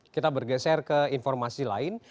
kita bergeser ke informasi lain